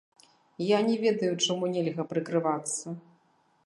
Я не ведаю, чаму нельга прыкрывацца.